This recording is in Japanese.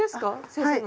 先生の。